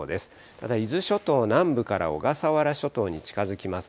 ただ、伊豆諸島南部から小笠原諸島に近づきます。